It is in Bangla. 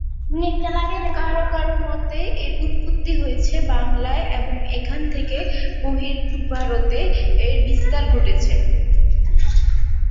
কারও কারও মতে, এর উৎপত্তি হয়েছে বাংলায় এবং এখান থেকেই বহির্ভারতে এর বিস্তার ঘটেছে।